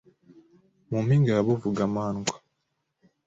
Mu mpinga ya Buvugamandwa